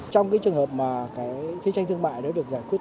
trong trường hợp thi tranh thương mại được giải quyết